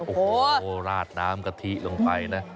โอ้โหราดน้ำกะทิลงไปนะ